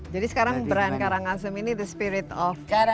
jadi sekarang brand karangasem ini the spirit of bali